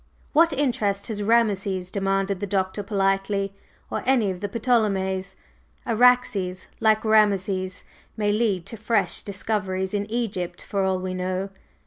"What interest has Rameses?" demanded the Doctor politely, "or any of the Ptolemies? Araxes, like Rameses, may lead to fresh discoveries in Egypt, for all we know.